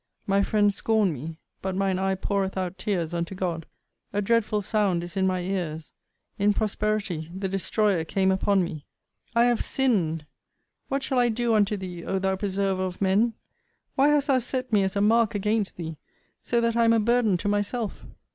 My friends scorn me; but mine eye poureth out tears unto God. A dreadful sound is in my ears; in prosperity the destroyer came upon me! I have sinned! what shall I do unto thee, O thou Preserver of men! why hast thou set me as a mark against thee; so that I am a burden to myself!